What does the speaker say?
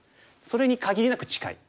それに限りなく近い。